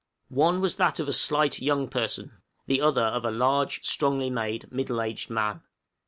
One was that of a slight young person; the other of a large, strongly made, middle aged man.